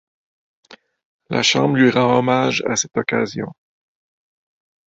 La Chambre lui rend hommage à cette occasion.